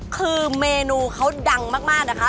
คือเมนูเขาดังมากนะคะ